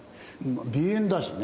鼻炎だしね。